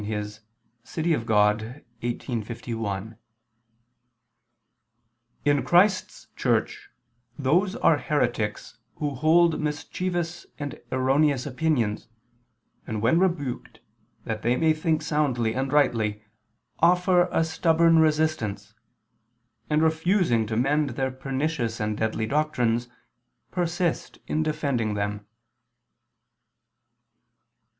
De Civ. Dei xviii, 51]: "In Christ's Church, those are heretics, who hold mischievous and erroneous opinions, and when rebuked that they may think soundly and rightly, offer a stubborn resistance, and, refusing to mend their pernicious and deadly doctrines, persist in defending them."